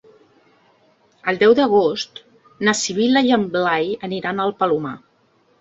El deu d'agost na Sibil·la i en Blai aniran al Palomar.